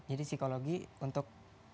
jadi psikologi untuk